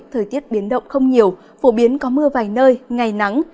thời tiết biến động không nhiều phổ biến có mưa vài nơi ngày nắng